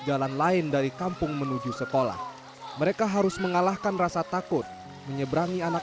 jalan lain dari kampung menuju sekolah mereka harus mengalahkan rasa takut menyeberangi anak